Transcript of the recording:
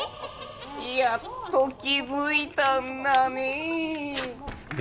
「やっと気づいたんだね」